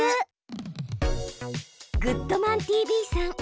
グッドマンＴＶさん。